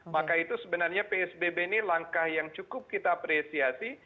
maka itu sebenarnya psbb ini langkah yang cukup kita apresiasi